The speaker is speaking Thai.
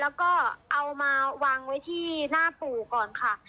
แล้วก็เอามาวางไว้ที่หน้าปู่ก่อนค่ะ